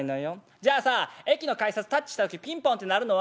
「じゃあさ駅の改札タッチした時ピンポンって鳴るのは？」。